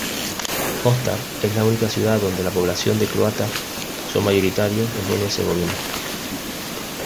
Mostar es la única ciudad donde la población de croatas son mayoritarios en Bosnia-Herzegovina.